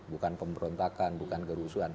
bukan pemberontakan bukan kerusuhan